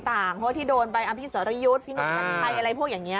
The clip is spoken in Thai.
เพราะที่โดนไปอภิสรยุทธ์พินักภัณฑ์ไทยอะไรพวกอย่างนี้